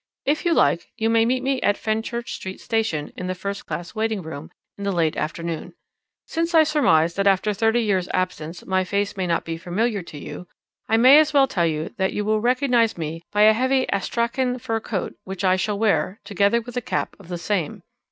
If you like, you may meet me at Fenchurch Street Station, in the first class waiting room, in the late afternoon. Since I surmise that after thirty years' absence my face may not be familiar to you, I may as well tell you that you will recognize me by a heavy Astrakhan fur coat, which I shall wear, together with a cap of the same.